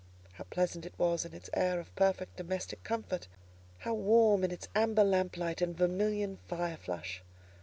How pleasant it was in its air of perfect domestic comfort! How warm in its amber lamp light and vermilion fire flush!